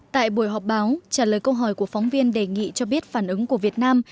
tại buổi họp báo trả lời câu hỏi của phóng viên đề nghị cho biết phản ứng của việt nam